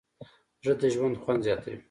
زړه د ژوند خوند زیاتوي.